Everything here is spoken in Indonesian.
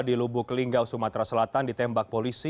di lubuk linggau sumatera selatan ditembak polisi